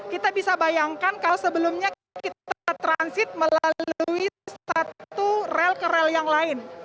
kita bisa bayangkan kalau sebelumnya kita transit melalui satu rel ke rel yang lain